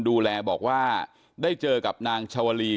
ดูแลบอกว่าได้เจอกับนางชาวลี